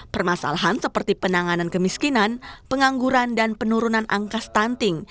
permasalahan seperti penanganan kemiskinan pengangguran dan penurunan angka stunting